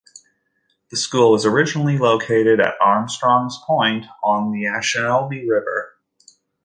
The school was originally located at Armstrong's Point on the Assiniboine River.